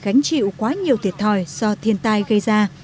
gánh chịu quá nhiều thiệt thòi do thiên tai gây ra